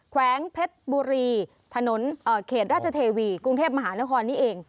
แวงเพชรบุรีถนนเขตราชเทวีกรุงเทพมหานครนี่เอง